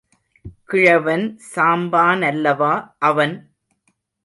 கிழவன் சாம்பானல்லவா அவன்?